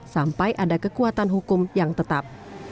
sampai ada kekuatan hukum yang tetap